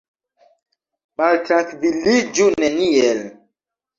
Maltrankviliĝu neniel.